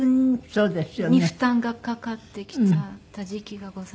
そうですよね。に負担がかかってきちゃった時期がございました。